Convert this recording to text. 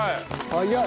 早い。